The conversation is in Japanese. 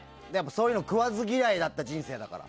そういうの食わず嫌いだった人生だから。